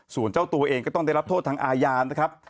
ส่วนเจ้าตัวเองก็ต้องได้รับโทษทางอาญานะครับ